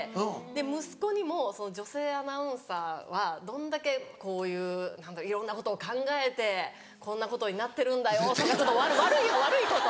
息子にも「女性アナウンサーはどんだけこういういろんなことを考えてこんなことになってるんだよ」とかちょっと悪いこと。